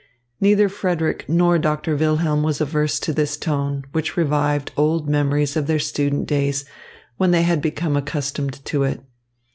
Neither Frederick nor Doctor Wilhelm was averse to this tone, which revived old memories of their student days, when they had become accustomed to it.